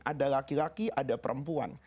ada laki laki ada perempuan